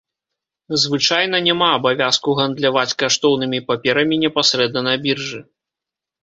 Звычайна, няма абавязку гандляваць каштоўнымі паперамі непасрэдна на біржы.